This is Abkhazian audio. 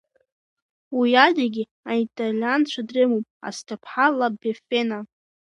Уи адагьы, аиталианцәа дрымоуп Асҭыԥҳа Ла Беффена.